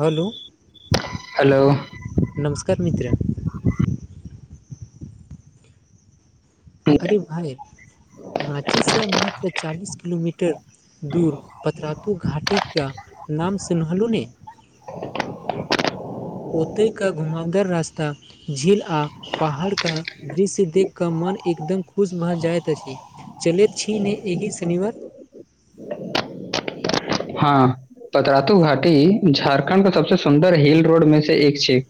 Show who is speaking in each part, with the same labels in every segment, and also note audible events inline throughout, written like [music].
Speaker 1: Hello!
Speaker 2: Hello!
Speaker 1: नमस्कार मित्र! अरे भाई राँची सँ मात्र चालीस किलोमीटर। दूर पत्ररातू घाटी के नाम सँ नहलहुँ ने। ओते का घुमावदर रास्ता। झील आ पहाड़ के दृश्य देख कऽ मन एकदम खुश भऽ जाइत अछि। चलैत छी नहि एहि शनिवार।
Speaker 2: हँ पतरातू घाटी झारखण्ड के सब सऽ सुन्दर हिल रोड मे से एक छै।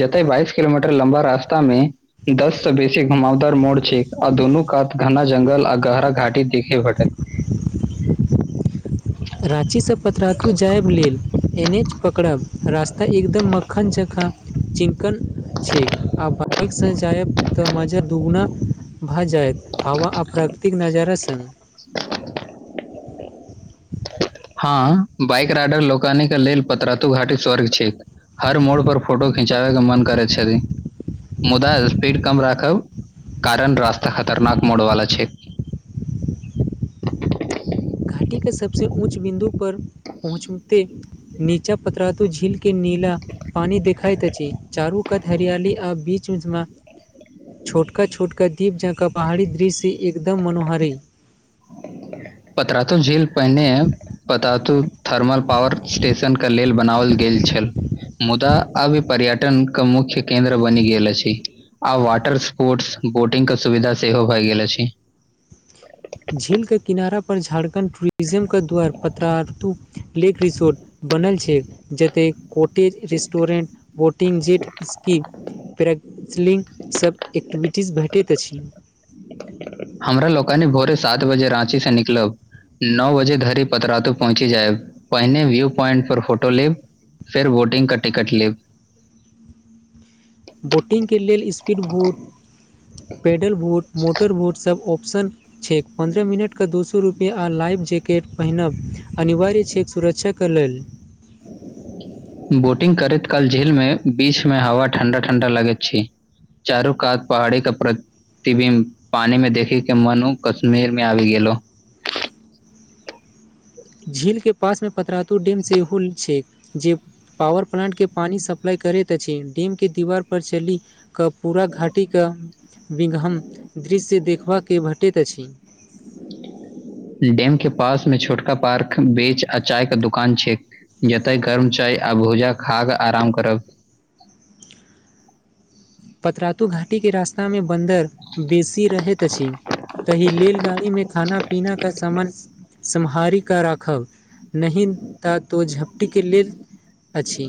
Speaker 2: जते बाइस किलोमीटर लम्बा रास्ता मे। दस से बेसी घुमवदार मोड़ छै आ दुनू कात घना जंगल आ गहरा घाटी देखे भटे।
Speaker 1: राँची सँ पतरातू जायब लेल। एनएच पकड़ब रास्ता एकदम मखन जकां। चिकन छै आ बाइक सँ जायब तऽ मजा दुगुना। भ जायत हवा प्रकृति नजारा सन।
Speaker 2: [unintelligible] हँ बाइक राइडर लोकानी के लेल पत्रराातू घाटी स्वर्ग छै हर मोड़ पर फोटो खिचाबै के मन करै छथि। मुदा स्पीड कम राखब कारण रास्ता खतरनाक मोड वाला छै।
Speaker 1: घाटी के सब सँ उच बिन्दु पर पहुँचते। नीचा पतरातू झील के नीला पानी देखाईत अछि चारू कत हरियाली आ बीच ऊच मे छोटका छोटका द्वीप जँकाँ पहाड़ी दृश्य एकदम मनोहर अई।
Speaker 2: पतरातू झील पहने है पतातू। थर्मल पॉावर स्टेशन के लेल बनाओल गेल छल। मुदा अब पर्यटनके मुख्य केन्द्र बनि गेल अछि। आ वाटर स्पोर्ट्स बोटिंग के सुविधा सेहो भय गेल अछि।
Speaker 1: झील के किनारा पर झारखण्ड टूरिज्म के द्वार। पत्ररातु लेेक रिसोर्ट बनल छै जते cottage restaurant. Boating jet ski प्रैसलिंगसभ एक्टिविटीज भेटैत अछि।
Speaker 2: हमरा लोकानी भोरे सात बजे राँची सऽ निकलब। नओ बजे धरि पतरातो पहुँची जायब पहिने व्यू पॉइंट पर फोटो लेब। फेर वोटिंग के टिकट लेब।
Speaker 1: बोटिंगके लेल speed boat paddle boat motor बोटसभ ऑप्शन। छैक पन्द्रह मिनटके दू सए रुपैआ आ लाइफ जैकेट पहिरब अनिवार्य छै सुरक्षा। क लेल।
Speaker 2: बोटिंग करैत काल झील मे बीच मे हवा ठण्डा ठण्डा लगैत छै। चारू कात पहाड़े के प्ररत। ति भी पानी में देखै के मन उ कश्मीर में आबि गेलो।
Speaker 1: झील के पास मे पतरातू डैम से होल छै जे। पॉावर प्लांट के पानी सप्लाई करैत अछि डेम के दीवार पर चली। के पूरा घाटी के विघम दृश्य देखबबाक भेटैत अछि।
Speaker 2: डेम के पास में छोटका पार्क बेच आ चाय का दुकान छै। जतय गर्म चाय आ भूजा खााकऽ आराम करब।
Speaker 1: पतरातू घाटी के रास्ता मे बन्दर बेसी रहैत अछि। तहि लेलगाड़ी मे खाना पीना के सामान। सम्हारी क राखव नहि त तो झपटी के लेल। अछि।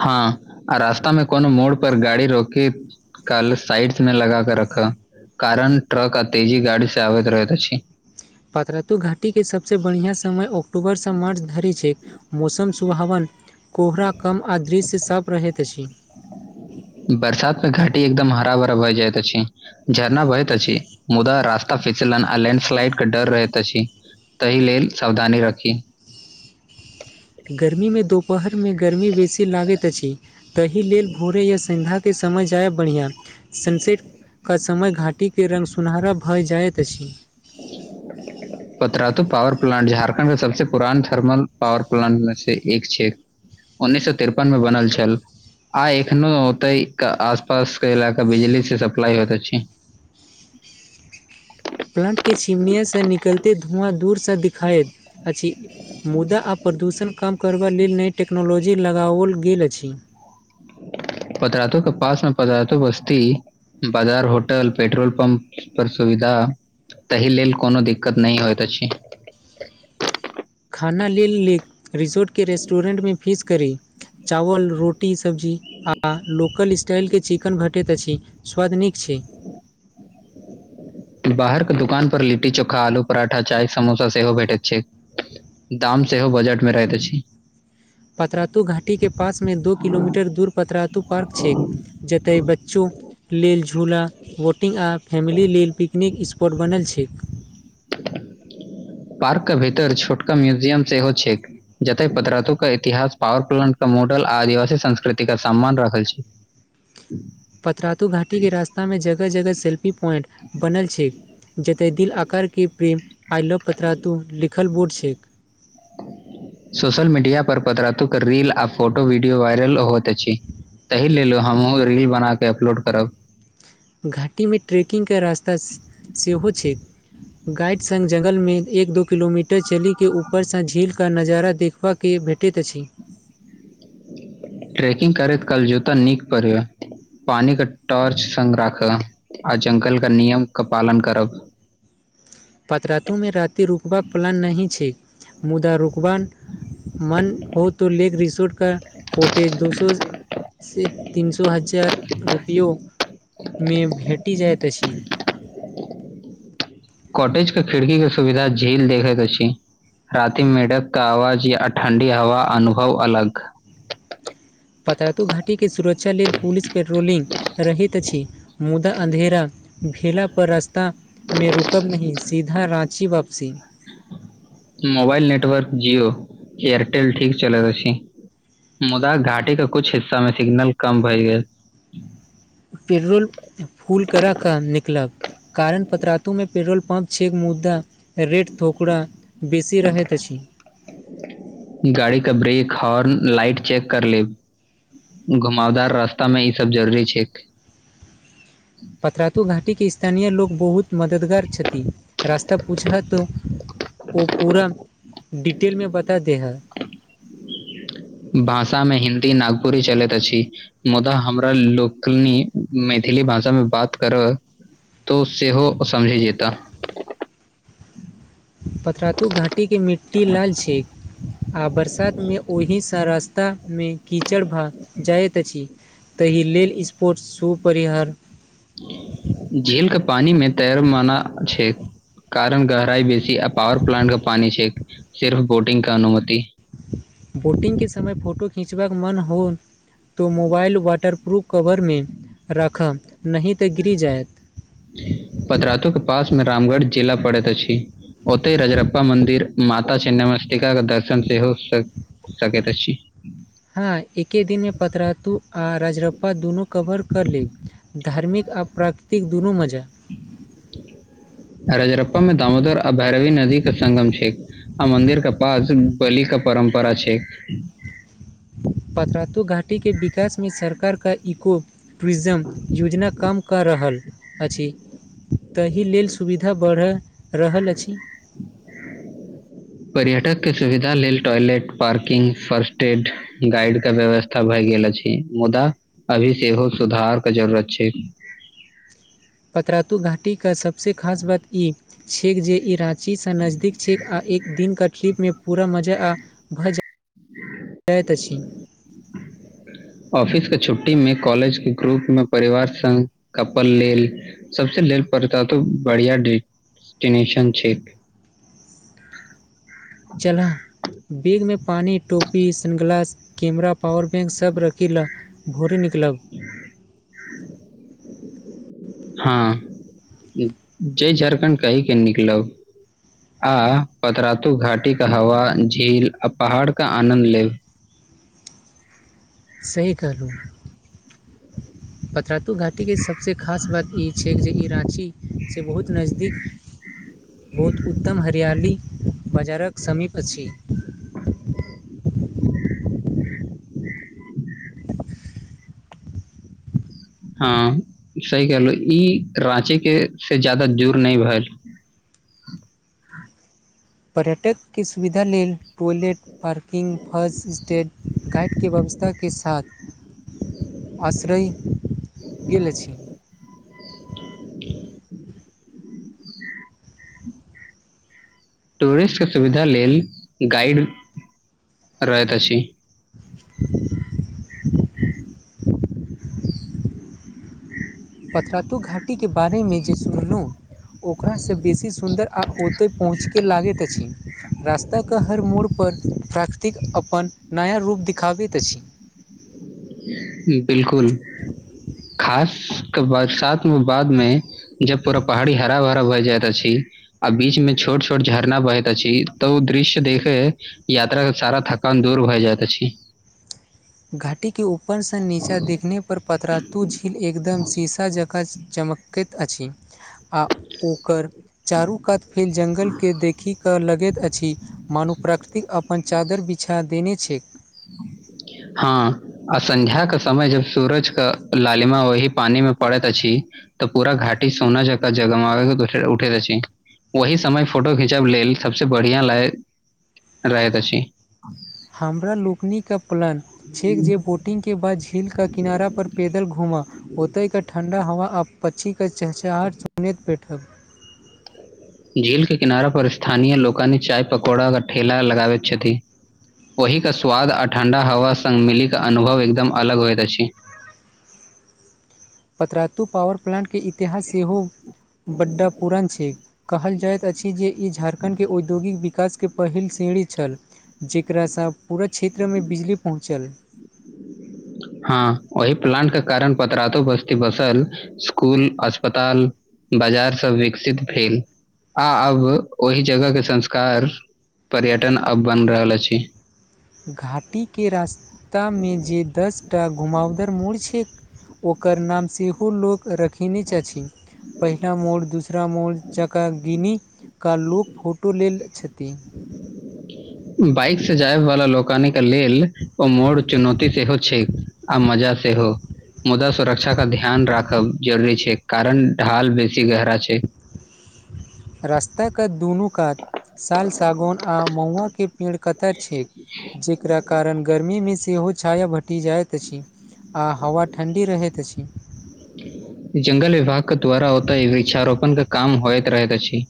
Speaker 2: हँ, आ रास्ता मे कोनो मोड़ पर, गाड़ी रोकी काल साइडस में लगा के रख, कारण ट्रक आ तेजी गाड़ी से आबैत रहैत अछि।
Speaker 1: पात्रातो घाटी के सबसँ बढ़िआँ समय, अक्टूबरसँ मार्च धरि छै। मौसम सुभावन, कोहरा कम, आ दृश्य सब रहैत अछि।
Speaker 2: बरसात मे घाटी, एकदम हरा -भरा भए जाइत अछि। झरना बहैत अछि, मुदा रास्ता फिसलन, आ लैंडस्लाइड के डर रहैत अछि। ताहि लेल सावधानी रखी।
Speaker 1: गर्मीमे, दुपहरमे गर्मी बेसी लागैत अछि। ताहि लेल भोरे या, सध्या के समय जाय बढ़िआँ, सनसेट क समय घाटीके रङ्ग सुनहरा भऽ जाइत अछि।
Speaker 2: पत्ररा त पॉावर प्लांट, झारखण्ड के सबस पुरान थर्मल पावर प्लांट मे से, एक छै। उन्नैस सए तिरपन मे बनल छल। आइ एखनो ओतै आस -पास के इलाका बिजली से सप्लाई होयते छै।
Speaker 1: प्लांटके छिमनिआसँ निकलते, धुआँ दूरसँ देखाइत अछि। मुदा आ प्रदूषण कम करबा लेल, नइ टेक्नोलॉजी लगाओल गेल अछि।
Speaker 2: पतरातो के पास, न पदराातो बस्ती बाजार, होटल, पेट्रोल पम्प, पर सुविधा ताहि लेल कोनो दिक्कत नहि होइत अछि।
Speaker 1: खाना लेल, ले रिसोर्टके रेस्टोरेटमे फीस करी। चावल, रोटी -सब्जी, आ लोकल स्टाइलके, चिकेन भेटैत अछि। स्वाद नीक छै।
Speaker 2: बाहर के दुकान पर, लिट्टी चोखा, आलू पराठा, चाय समोसा, सेहो भेटैत छै। दाम सेहो बजट मे रहैत अछि।
Speaker 1: पत्रराातू घाटीके पासमे, दू किलोमीटर दूर, पत्रराातू पार्क छैक। जतय बच्चो। लेल झूला, वोटिंग, आ फैमिली लेल पिकनिक स्पॉट बनल छैक। [unintelligible]
Speaker 2: पार्कके भीतर, छोटका म्यूजियम सेहो छै। जते पदराातो के इतिहास, पावर प्लांट के मॉडल आ, आदिवासी संस्कृति के, सम्मान रखल छै। हू [inaudible]
Speaker 1: पतराातू घाटी के रास्तामे, जगह- जगह सेल्फी प्वाइंट, बनल छै। जतय दिल आकारके, प्रेम आइ लव पत्रा तू लिखल बोर्ड छैक।
Speaker 2: सोशल मीडिया पर, पदरातुक रील, आ फोटो, वीडियो, वायरल होइत अछि। ताहि लेल हमहूँ, रील बनााके अपलोड करब।
Speaker 1: घाटीमे ट्रैेकिंगके रास्ता सेहो छै। गाइड सङ्ग जङंगलमे, एक दो किलोमीटर टर, चलीके, ऊपरसँ झील कऽ नजारा देखबाके भेटैत अछि।
Speaker 2: रेकिंग करैत, कल जोता नीक पढ़। पानी के टॉर्च संग राखब, आ जंगल के नियम के पालन करब।
Speaker 1: पात्रातुमे राति रुकबाक प्लान नहि छै, मुदा रुकबा मन हो त लेक रिसोर्ट क कोॉटेज दोसरो से तीन सए, हजार रुपयो मे भेटि जाइत अछि।
Speaker 2: कॉटेज के खिड़की के सुविधा, झील देखे के छी। राति मेढ़क क आवाज, या ठण्डी हवाक अनुभव अलग।
Speaker 1: पताातो घाटीके सुरक्षा लेल पुलिस पेट्रोलिंग रहैत अछि मुदा अन्धेरा भेला पर रास्ता मे रुकब नहि सीधा राँची वापसी।
Speaker 2: मोबाल नेटवर्क जिओ, एयरटेल ठीक चलि रहल अछि। मुदा घाटी के कुछ हिस्सा में सिग्नल कम भए गेल।
Speaker 1: पेड्रोल फुल करा क निकलब। कारण पतरातूमे पेट्रोल पम्प छै मुदा रेट थुकरा बेसी रहैत अछि।
Speaker 2: गाड़ी के ब्रेक, हॉर्न, लाइट चेक कर लेब। घुमावदार रास्ता मे ई सब जरूरी छैक।
Speaker 1: पतरातु घाटीके स्थानीय लोक बहुत मददगार छथि रास्ता पूछब त ओ पूरा डिटेलमे बता दे ह
Speaker 2: भाषा मे हिन्दी नागपुरी चलैत अछि। मुदा हमरा लोकनि मैथिली भाषामे बात करय तो सेहो समझि जेता
Speaker 1: पतरातु घाटीके मिट्टी लाल छै। आ बरसात मे ओहिसँ रास्ता मे कीचड़ भए जाइत अछि। ताहि लेल स्पोर्ट्स शू परिहर
Speaker 2: झील के पानी में तैर मना छैे। कारण गहराई बेसी आ पॉावर प्लांट के पानी छै सिर्फ बोटिंग के अनुमति
Speaker 1: बोटिंग के समय फोटो खिंचबाक मन हो त मोबाइल वाटरप्रूफ कवरमे राखब नहि त गिरि जायत।
Speaker 2: पतरातु के पासमे रामगढ़ जिला परैत अछि। ओतय रजरप्पा मन्दिर माता छिन्नमस्तिकाके दर्शन सेहो भ सकैत अछि।
Speaker 1: हँ एके दिनमे पतरातु आ राजरप्पा दुनू कवर कर लेब। धार्मिक आ प्राकृतिक दुनू मजा।
Speaker 2: रजरप्पा मे दामोदर आ भैरवी नदी के संगम छैक। आ मंन्दिर के पास बलि के परम्परा छैक।
Speaker 1: पतरातू घाटी टीके विकासमे सरकार के इको टूरीजम योजना काम क रहल अछी ताहि लेल सुविधा बढ़ि रहल अछि।
Speaker 2: पर्यटकके सुविधा लेल toilet parking first aid guide के व्यवस्था भए गेल अछि मुदा अभी सेहो सुधार के जरूरत छै।
Speaker 1: पतरातू घाटी के सबसे खास बात इ छैक जे ई राँचीसे नजदीक छैक आ एक दिनका ट्रिपमे पूरा मजा आ भ जाइत अछि।
Speaker 2: ऑफिस के छुट्टी में, कॉलेज के ग्रुप में परिवार संग कपल लेल सबसे लेल परतातू त बढ़िया डिस्टिनेशन छैक।
Speaker 1: चलह। बैगमे पानी, टोपी, सनग्लास, कैमरा, पावर बैंक सब रखी लह। भोरे निकलब?
Speaker 2: हँ, जय झारखण्ड कहि के निकलब। आ पतरातु घाटी के हवा झील आ पहाड़ के आनन्द लेब।
Speaker 1: सही कहलहुं, पतरातू घाटीके सब से खास बात ई छै जे ई राँचीसे बहुत नजदीक बहुत उत्तम हरियाली बजारक समीप अछि।
Speaker 2: हँ सही कहलों ई राँची के से ज्यादा जदूर नै भेल।
Speaker 1: पर्यटकके सुविधा लेल टॉयलेट, पार्किंग, हाउस स्टे गाईडके व्यवस्था के साथ आश्रयी गेल अछी।
Speaker 2: टूरिस्ट के सुविधा लेल गाइड रहैत अछी।
Speaker 1: [inaudible] पतरातू घाटीके बारेमे जे सुनलहुँ ओकरासे बेसी सुन्दर आ ओत पहुँचके लागैत अछी रास्ताके हर मोड पर प्राकृतिक अपन नया रूप देखाबैत अछि।
Speaker 2: बिलकुल खासक बरसात मे बादमे जब पूरा पहाड़ी हरा भरा भए जाइत अछि आ बीच में छोट छोट झरना बहैत अछी त ओ दृश्य देखय यात्रा के सारा थकान दूर भए जाइत अछी।
Speaker 1: घाटी के ऊपरसँ नीचा देखने पर पतरातू झील एकदम शीशा जकाँ च चमकैत अछि। आ ओकर चारू कात के जङ्गलके देखिकऽ लगैत अछी मानू प्राकृतिक अप पन चादर बिछा देने छै।
Speaker 2: हँ आ संन्ध्या के समय जब सूरज के लालिमा वही पानी मे परैत अछी त पूरा घाटी सोना जकां जग मग उठे उठैैत अछी। ओही समय फोटो खींचब लेल सबसे बढ़िया लै रहैत अछी।
Speaker 1: हमरा लोकनीके प्लन छैक जे बोट टिंग के बाद झील क किनारा पर पैदल घूमब ओतैए के ठण्डा हवा आप पच्छीके चहचहाट सुनैत बैठब।
Speaker 2: झील के किनारा पर स्थानीय लोकानि चाय पकौड़ा के ठेला लगाबैत छथि। ओहिके स्वाद आ ठण्डा हवा संग मिलिकऽ अनुभव एकदम अलग होइत अछि।
Speaker 1: पतरातू पावर प्लान्टकेँ इतिहास सेहो बड्ड पुरान छै। कहल जाइत अछि जे ई झारखण्डके औद्योगिक विकासकेँ पहिल सीढी छल। जेकरास पूरा क्षेत्रमें बिजली पहुँचल।
Speaker 2: हँ ओहि प्लांट के कारण पतरातु बस्ती बसल स्कुल, अस्पताल बजार सभ विकसित भेल आब ओहि जगह के संस्कार पर्यटन अब बनि रहल अछि।
Speaker 1: घाटीकेँ रास्तामे जे दस टा घुमावदार मोड़ छै। ओकर नाम सेहो लोक रखने छथि पहिला मोड़ दूसरा मोड़ जकरा गिनीक लोक फोटो लेल छथिन।
Speaker 2: बाइक सँ जायवाला लोकानि के लेल ओ मोड़ चुनौती सेहो छै आ मजा सेहो मुदा सुरक्षा के ध्यान राखब जरूरी छै कारण ढाल बेसी गहरा छै।
Speaker 1: रास्ता कऽ दुनू कात साल, सागौन आ महुआकेँ पेड़ [unintelligible] छै जेकरा कारण गर्मी मे सेहो छाया भेट जाइत अछि आ हवा ठण्डी रहैत अछि।
Speaker 2: जंगल विभागक द्वारा ओतय वृक्षारोपण के काम होइत रहैत अछि।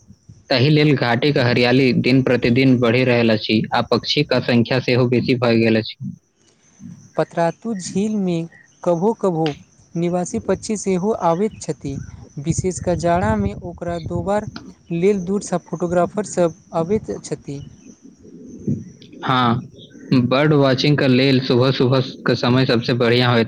Speaker 2: ताहि लेल घाटि के हरियाली दिन प्रतिदिन बढ़ि रहल अछि आ पक्षी कऽ संख्या सेहो बेसी भए गेल अछि।
Speaker 1: पतरातु झीलमे कभो कभो निवासी पक्षी सेहो आबैत छथि विशेषकर जाड़ामे ओ ओकरा दोआर लेल दूरसँ फोटोग्राफरसभ अबैत छथि।
Speaker 2: हँ बर्ड वाचिंग के लेल सुबह सुबह केँ समय सबसे बढ़ियां होयत